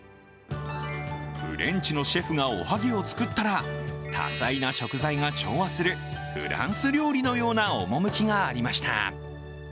フレンチのシェフがおはぎを作ったら、多彩な食材が調和するフランス料理のような趣がありました。